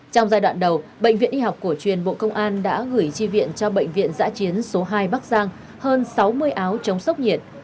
trong giai đoạn đầu bệnh viện y học cổ truyền bộ công an đã gửi chi viện cho bệnh viện giã chiến số hai bắc giang hơn sáu mươi áo chống sốc nhiệt